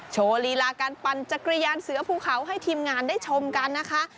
โชว์ลีลาการปั่นจักรยานเสือภูเขาให้ทีมงานได้ชมกันนะคะ